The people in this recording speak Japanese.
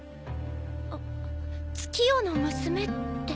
あ月夜の娘って？